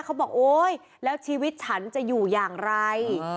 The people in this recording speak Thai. บอกโอ๊ยแล้วชีวิตฉันจะอยู่อย่างไร